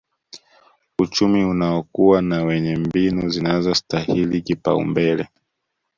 uchumi unaokua na wenye mbinu zinazostahili kupaumbele